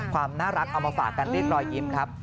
ความน่ารักเอามาฝากกันเรียกรอยยิ้มครับ